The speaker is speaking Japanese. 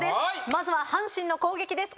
まずは阪神の攻撃です。